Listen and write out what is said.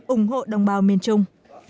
ủng hộ đồng bào miền trung